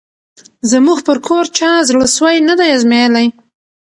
زموږ پر کور چا زړه سوی نه دی آزمییلی